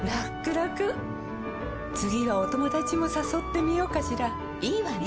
らくらくはお友達もさそってみようかしらいいわね！